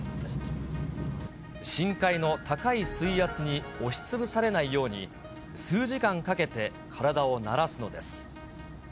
深海の高い水圧に押し潰されないように、数時間かけて体を慣らすのです。